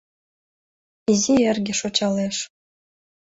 Изи эрге шочалеш...